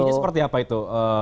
isinya seperti apa itu